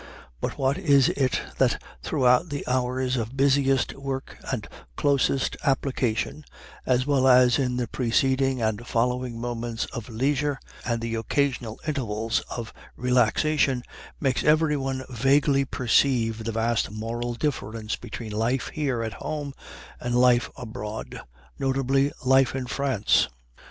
But what is it that throughout the hours of busiest work and closest application, as well as in the preceding and following moments of leisure and the occasional intervals of relaxation, makes everyone vaguely perceive the vast moral difference between life here at home and life abroad notably life in France?